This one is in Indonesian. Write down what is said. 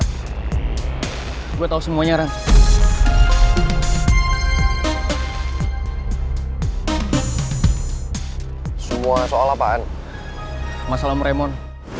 hai lo kenapa tak buat semuanya semua soal apaan masalah moremon